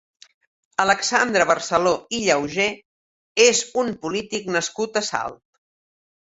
Alexandre Barceló i Llauger és un polític nascut a Salt.